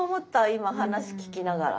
今話聞きながら。